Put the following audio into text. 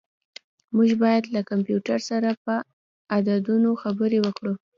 موږ باید له کمپیوټر سره په عددونو خبرې وکړو.